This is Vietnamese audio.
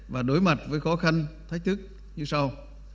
và đối mặt với khó khăn thách thức như sau